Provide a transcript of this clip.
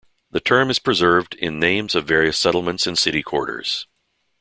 The term is preserved in names of various settlements and city quarters.